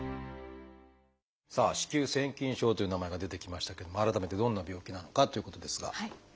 さあ「子宮腺筋症」という名前が出てきましたけども改めてどんな病気なのかっていうことですが。